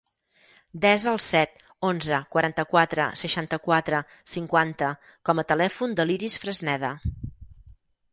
Desa el set, onze, quaranta-quatre, seixanta-quatre, cinquanta com a telèfon de l'Iris Fresneda.